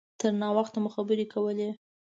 تر ناوخته مو خبرې کولې.